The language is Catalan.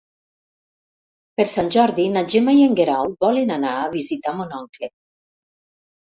Per Sant Jordi na Gemma i en Guerau volen anar a visitar mon oncle.